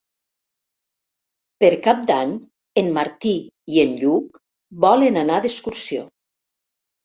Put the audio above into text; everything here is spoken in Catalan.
Per Cap d'Any en Martí i en Lluc volen anar d'excursió.